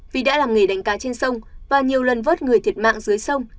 vì đã làm nghề đánh cá trên sông và nhiều lần vớt người thiệt mạng dưới sông